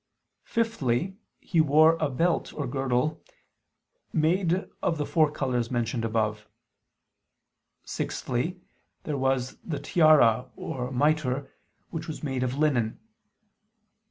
Fifthly, he wore a belt or girdle made of the four colors mentioned above. Sixthly, there was the tiara or mitre which was made of linen.